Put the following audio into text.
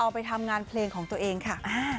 ไปทำงานเพลงของตัวเองค่ะ